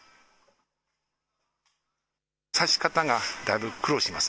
刺し方がだいぶ苦労します。